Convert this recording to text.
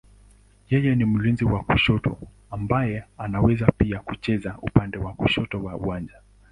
Yeye ni mlinzi wa kushoto ambaye anaweza pia kucheza upande wa kushoto wa uwanja.